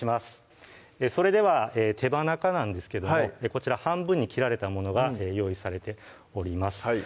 それでは手羽中なんですけどもこちら半分に切られたものが用意されております